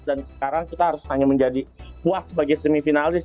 dan sekarang kita harus hanya menjadi puas sebagai semifinalis